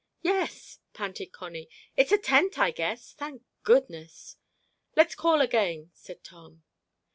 "Yes," panted Connie. "It's a tent, I guess—thank goodness." "Let's call again," said Tom.